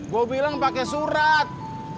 gue bilang pakai surat